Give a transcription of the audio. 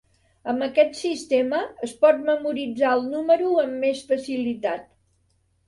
Amb aquest sistema es pot memoritzar el número amb més facilitat.